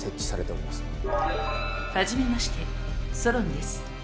初めましてソロンです。